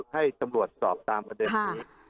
ให้ตำรวจสอบตามประเด็นนี้